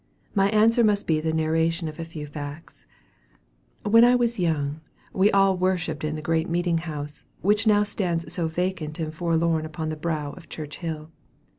My answer must be the narration of a few facts. When I was young, we all worshipped in the great meeting house, which now stands so vacant and forlorn upon the brow of Church Hill.